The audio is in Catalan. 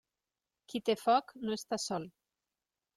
Qui té foc no està sol.